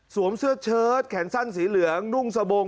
เสื้อเชิดแขนสั้นสีเหลืองนุ่งสบง